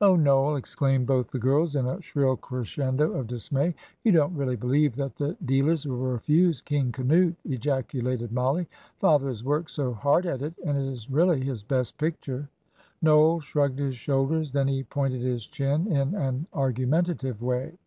"Oh, Noel!" exclaimed both the girls, in a shrill crescendo of dismay. "You don't really believe that the dealers will refuse 'King Canute'?" ejaculated Mollie. "Father has worked so hard at it, and it is really his best picture." Noel shrugged his shoulders; then he pointed his chin in an argumentative way.